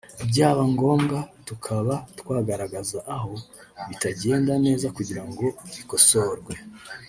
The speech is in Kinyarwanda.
byaba ngombwa tukaba twagaragaza aho bitagenda neza kugira ngo bikosorwe